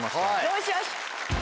よしよし！